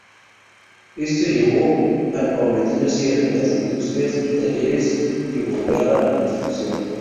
Eso llevó al paulatino cierre de las industrias y talleres que bordeaban la construcción.